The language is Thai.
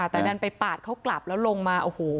แต่ดันไปปาดเขากลับแล้วลงมาโอ้โห